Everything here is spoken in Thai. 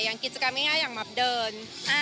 อย่างกิจกรรมง่ายอย่างแบบเดิน